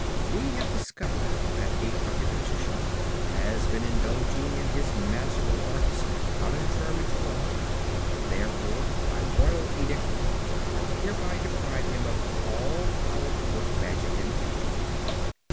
We have discovered that the Crooked Magician has been indulging in his magical arts contrary to Law, and therefore, by Royal Edict, I hereby deprive him of all power to work magic in the future.